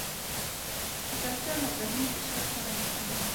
کتابچه له ذهني فشار سره مقابله کوي